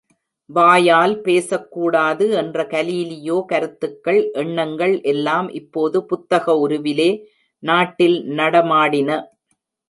வாயால் பேசக்கூடாது என்ற கலீலியோ கருத்துக்கள், எண்ணங்கள் எல்லாம் இப்போது புத்தக உருவிலே நாட்டில் நடமாடின!